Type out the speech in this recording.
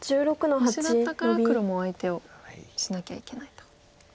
オシだったから黒も相手をしなきゃいけないと。